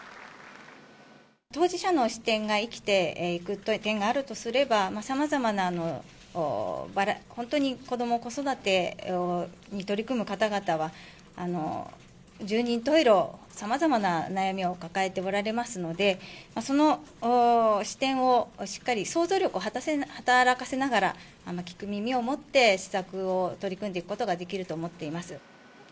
当時者の視点が生きていくという点があるとすれば、さまざまな本当に子ども・子育てに取り組む方々は、十人十色、さまざまな悩みを抱えておられますので、その視点をしっかり想像力を働かせながら、聞く耳を持って、施策を取り組んでいくことができると思っています。